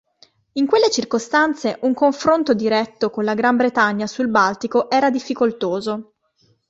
In quelle circostanze un confronto diretto con la Gran Bretagna sul Baltico era difficoltoso.